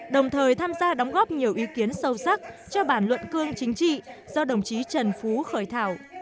đồng thời tham gia đóng góp nhiều ý kiến sâu sắc cho bản luận cương chính trị do đồng chí trần phú khởi thảo